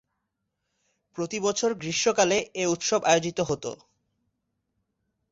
প্রতি বছর গ্রীষ্মকালে এই উৎসব আয়োজিত হত।